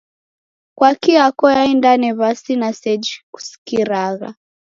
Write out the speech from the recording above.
"Kwaki" yako yaindane w'ada na seji kusikiragha?